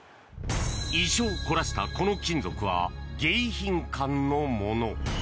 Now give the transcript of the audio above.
意匠を凝らしたこの金属は迎賓館のもの。